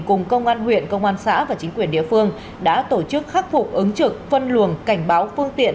cùng công an huyện công an xã và chính quyền địa phương đã tổ chức khắc phục ứng trực phân luồng cảnh báo phương tiện